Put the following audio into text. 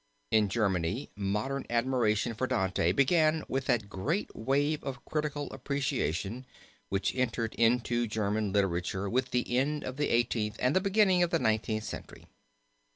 In Germany modern admiration for Dante began with that great wave of critical appreciation which entered into German literature with the end of the Eighteenth and the beginning of the Nineteenth Century.